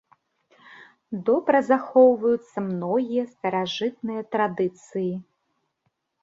Добра захоўваюцца многія старажытныя традыцыі.